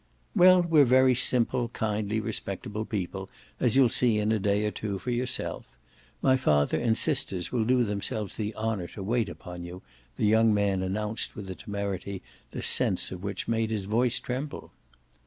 "Well, we're very simple kindly respectable people, as you'll see in a day or two for yourself. My father and sisters will do themselves the honour to wait upon you," the young man announced with a temerity the sense of which made his voice tremble.